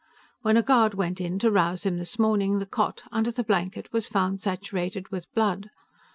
"When a guard went in to rouse him this morning, the cot, under the blanket, was found saturated with blood.